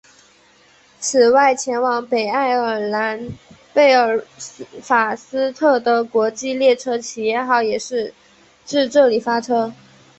此外前往北爱尔兰贝尔法斯特的国际列车企业号也是自这里发车。